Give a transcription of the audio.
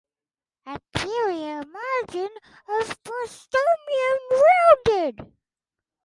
Anterior margin of prostomium rounded.